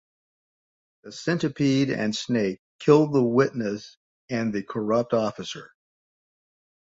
The Centipede and Snake kill the witness and the corrupt officer.